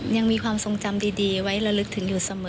ยังมีความทรงจำดีไว้ระลึกถึงอยู่เสมอ